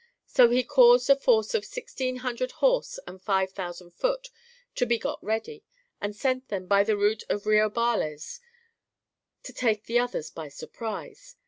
So he caused a force of 1600 horse and 5000 foot to be got ready, and sent them by the route of Reobarles to take the others by surprise.